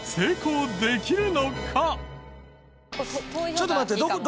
ちょっと待って。